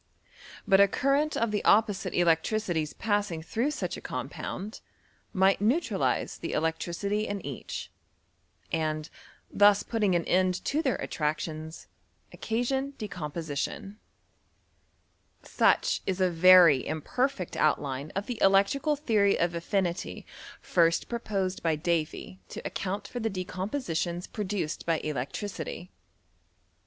But a current of the opposite electricities passing through such a com pound, might neutralize the electricity in each, and thus putting an end to their attractions, occasion de« composition. 'inSTOUT OF c I Such is a very imperfect outline of the electrical theory of affinity first proposed by Davy to account for the decompositions produced by electricity.